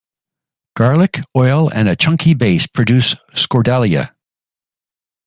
Garlic, oil, and a chunky base produce "skordalia".